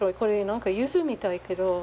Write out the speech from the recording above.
何かユズみたいやけど。